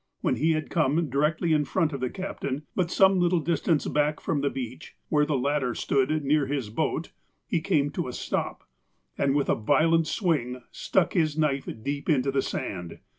When he had come directly in front of the captain, but some little distance back from the beach, where the lat ter stood near his boat, he came to a stop, and with a violent swing, stuck his knife deep into the sand.